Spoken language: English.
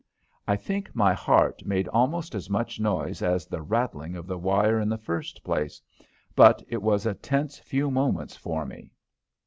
I think my heart made almost as much noise as the rattling of the wire in the first place, but it was a tense few moments for me.